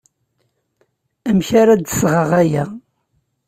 Amek ara d-sɣeɣ aya?